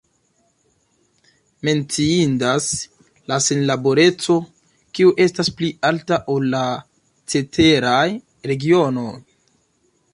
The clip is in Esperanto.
Menciindas la senlaboreco, kiu estas pli alta, ol la ceteraj regionoj.